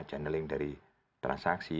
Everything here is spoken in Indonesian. channeling dari transaksi